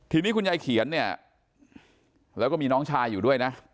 ทีนี้คุณยายเขียนเนี่ยแล้วก็มีน้องชายอยู่ด้วยนะ